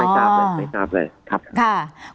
ไม่ทราบเลย